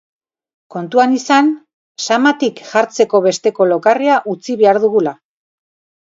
Kontuan izan, samatik jartzeko besteko lokarria utzi behar dugula.